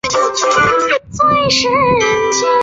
第一支摇滚乐队是万李马王乐队。